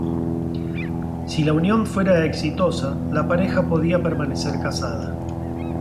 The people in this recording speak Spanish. Si la unión fuera exitosa la pareja podía permanecer casada.